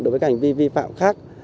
đối với các hành vi vi phạm khác